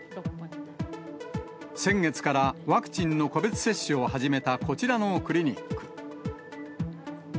先月からワクチンの個別接種を始めたこちらのクリニック。